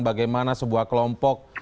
bagaimana sebuah kelompok